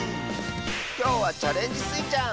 きょうは「チャレンジスイちゃん」！